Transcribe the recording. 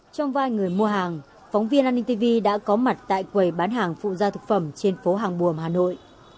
trong vai người mua hàng phóng viên antv đã có mặt tại quầy bán hàng phụ gia thực phẩm trên phố hàng buồm hà nội